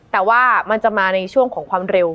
แต่ว่ามันจะมาในช่วงของความเร็ว